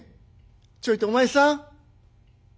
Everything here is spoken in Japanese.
ちょいとお前さん。